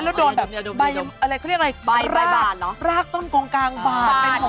แล้วโดนแบบใบอะไรเขาเรียกอะไรใบรากต้นกงกลางบาดเป็นของ